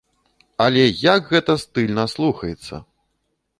Але як гэта стыльна слухаецца!